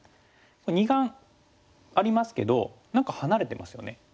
二眼ありますけど何か離れてますよね。